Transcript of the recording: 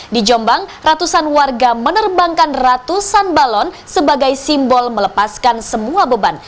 di jombang ratusan warga menerbangkan ratusan balon sebagai simbol melepaskan semua beban